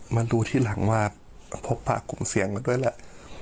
มาดูที่หลังว่าพบภาคกลุ่มเสียงกันด้วยล่ะ